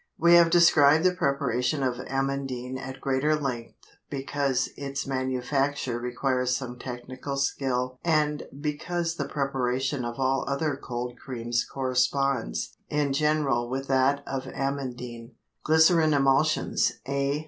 We have described the preparation of amandine at greater length because its manufacture requires some technical skill and because the preparation of all other cold creams corresponds in general with that of amandine. GLYCERIN EMULSIONS. A.